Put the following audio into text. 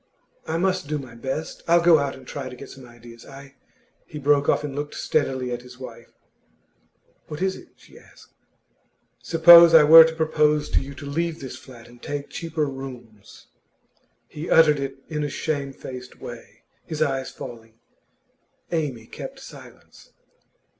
'I must do my best. I'll go out and try to get some ideas. I ' He broke off and looked steadily at his wife. 'What is it?' she asked. 'Suppose I were to propose to you to leave this flat and take cheaper rooms?' He uttered it in a shamefaced way, his eyes falling. Amy kept silence.